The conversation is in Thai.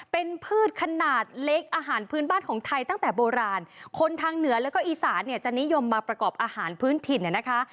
เป็นพืชขนาดเล็กอาหารพื้นบ้านของไทยตั้งแต่โบราณคนทางเหนือแล้วก็อีสานเนี่ยจะนิยมมาประกอบอาหารพื้นถิ่นเนี่ยนะคะ